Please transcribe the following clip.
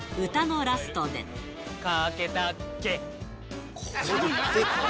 駆けたっけ。